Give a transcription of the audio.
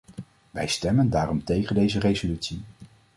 Wij stemmen daarom tegen deze resolutie.